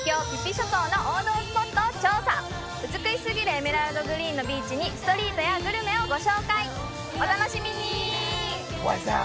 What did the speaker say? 諸島の王道スポットを調査美しすぎるエメラルドグリーンのビーチにストリートやグルメをご紹介お楽しみに！